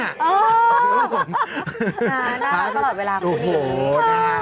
น่ารักตลอดเวลาคุณเห็น